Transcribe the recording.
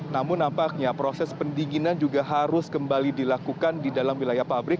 namun nampaknya proses pendinginan juga harus kembali dilakukan di dalam wilayah pabrik